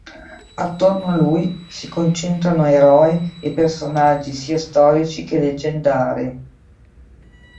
Attorno a lui si concentrano eroi e personaggi sia storici che leggendari.